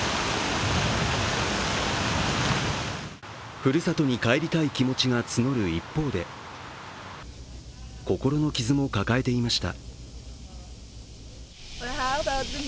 ふるさとに帰りたい気持ちが募る一方で心の傷も抱えていました。